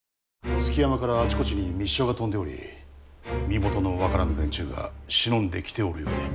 築山からあちこちに密書が飛んでおり身元の分からぬ連中が忍んできておるようで。